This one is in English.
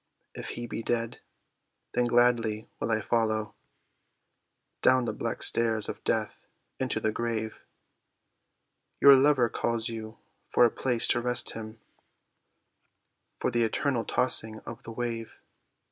"If he be dead, then gladly will I follow Down the black stairs of death into the grave." "Your lover calls you for a place to rest him From the eternal tossing of the wave."